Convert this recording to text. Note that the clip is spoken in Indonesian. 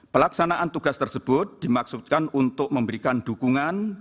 pelaksanaan tugas tersebut dimaksudkan untuk memberikan dukungan